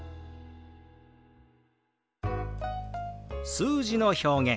数字の表現